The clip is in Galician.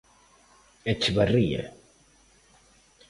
Echevarría.